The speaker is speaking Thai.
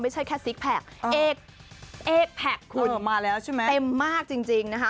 ไม่ใช่แค่ซิกแพคเอ๊กแพคคุณเต็มมากจริงนะฮะ